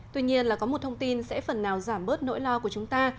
tuy nhiên là có một thông tin sẽ phần nào giảm bớt nỗi lo của chúng ta